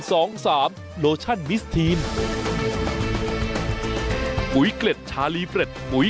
สองสามโลชั่นมิสทีนปุ๋ยเกล็ดชาลีเฟรดปุ๋ย